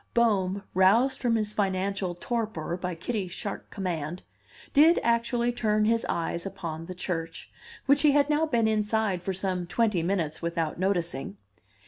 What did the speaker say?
Bohm, roused from his financial torpor by Kitty's sharp command, did actually turn his eyes upon the church, which he had now been inside for some twenty minutes without noticing.